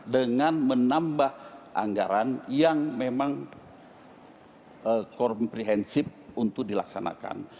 dengan menambah anggaran yang memang komprehensif untuk dilaksanakan